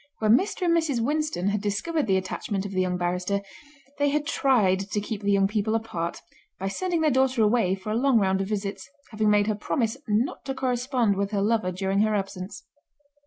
When Mr. and Mrs. Winston had discovered the attachment of the young barrister, they had tried to keep the young people apart by sending their daughter away for a long round of visits, having made her promise not to correspond with her lover during her absence.